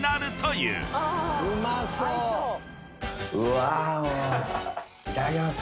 いただきます。